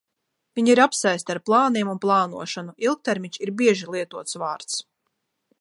Viņi ir apsēsti ar plāniem un plānošanu. Ilgtermiņš ir bieži lietots vārds.